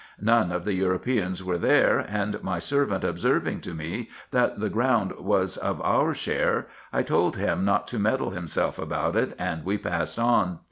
None of the Europeans were there, and my servant observing to me, that that ground was of our share, I told him not to meddle himself about it, and we passed on.